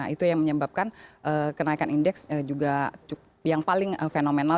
itu yang menyebabkan kenaikan indeks juga yang paling fenomenal